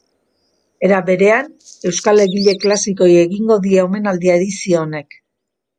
Era berean, euskal egile klasikoei egingo die omenaldia edizio honek.